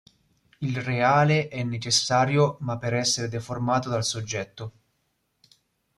Il reale è necessario ma per essere deformato dal soggetto.